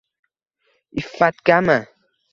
Iffatgami?